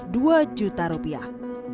dua juta rupiah